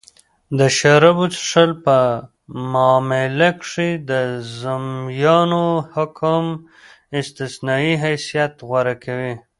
د شرابو څښل په معامله کښي د ذمیانو حکم استثنايي حیثت غوره کوي.